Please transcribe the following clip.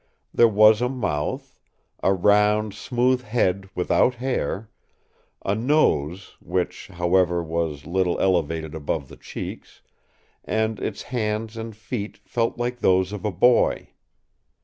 There was a mouth; a round, smooth head without hair; a nose, which, however, was little elevated above the cheeks; and its hands and feet felt like those of a boy.